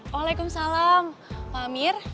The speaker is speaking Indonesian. waalaikumsalam pak amir